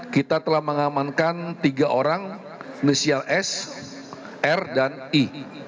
kita telah mengamankan tiga orang inisial s r dan i